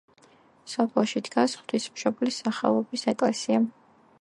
სოფელში დგას ღვთისმშობლის სახელობის ეკლესია.